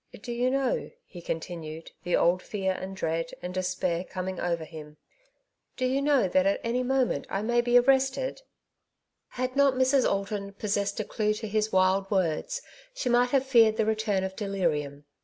'^ Do you know," he continued, the old fear, and dread, and despair coming over him — ^*^do you know that at any moment I may be arrested ?" Saved as by Fire, 223 Had not Mrs. Alton possessed a clue to his wild words, she might have feared the return of delirium.